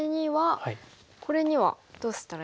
これにはどうしたらいいんでしょう？